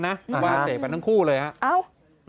แค่ไปละใช่ไหมครับ